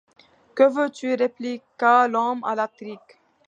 Que veux-tu répliqua l’homme à la trique